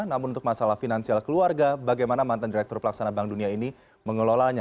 namun untuk masalah finansial keluarga bagaimana mantan direktur pelaksana bank dunia ini mengelolanya